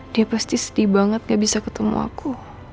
dia pasti sedih banget gak bisa ketemu aku